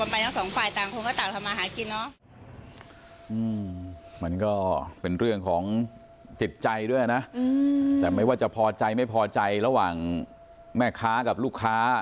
มันก็ต่างทำจิตใจด้วยนะแต่ไม่ว่าจะพอใจไม่พอใจระหว่างแม่ค้ากับลูกค้า